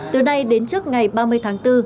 từ nay đến trước ngày ba mươi tháng bốn